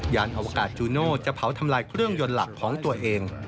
อวกาศจูโน่จะเผาทำลายเครื่องยนต์หลักของตัวเอง